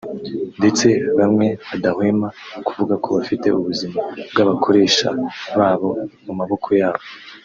ndetse bamwe badahwema kuvuga ko bafite ubuzima bw’abakoresha babo mu maboko yabo